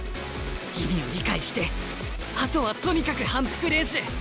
意味を理解してあとはとにかく反復練習。